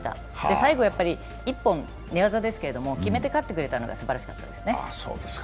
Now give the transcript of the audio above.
最後、一本、寝技ですけれども、決めて勝ってくれたのがすばらしかったですね。